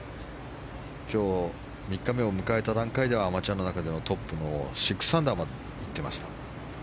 今日、３日目を迎えた段階ではアマチュアの中でトップの６アンダーまで行っていました。